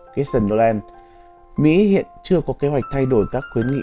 christian dolan mỹ hiện chưa có kế hoạch thay đổi các khuyến nghị